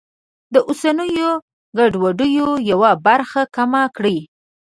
د اوسنیو ګډوډیو یوه برخه کمه کړي.